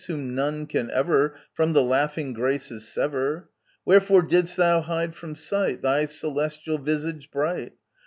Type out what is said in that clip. whom none can ever From the laughing Graces sever ! Wherefore didst thou hide from sight Thy celestial visage bright